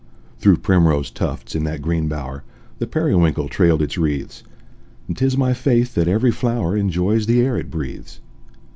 Through primrose tufts, in that green bower, The periwinkle trailed its wreaths; And 'tis my faith that every flower Enjoys the air it breathes.